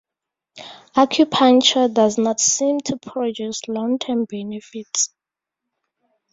Acupuncture does not seem to produce long-term benefits.